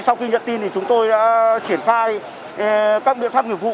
sau khi nhận tin thì chúng tôi đã triển khai các biện pháp nghiệp vụ